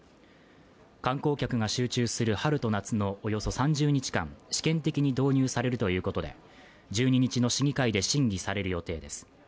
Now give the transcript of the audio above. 観光客が集中する春と夏のおよそ３０日間、試験的に導入されるということで１２日の市議会で審議される予定です。